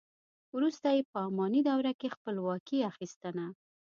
وروسته یې په اماني دوره کې خپلواکي اخیستنه.